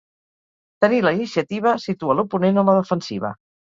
Tenir la iniciativa situa l'oponent a la defensiva.